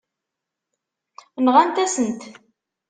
Nɣant-asen-t.